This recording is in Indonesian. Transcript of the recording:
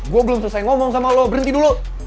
gue belum selesai ngomong sama lo berhenti dulu